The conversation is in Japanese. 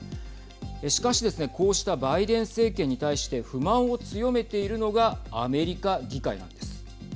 しかしですね、こうしたバイデン政権に対して不満を強めているのがアメリカ議会なんです。